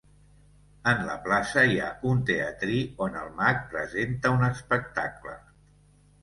En la plaça hi ha un teatrí on el Mag presenta un espectacle.